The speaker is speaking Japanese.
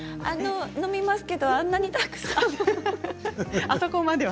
飲みますけれどもあんなにたくさんは。